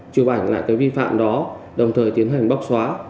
chụp ảnh lại cái vi phạm đó đồng thời tiến hành bóc xóa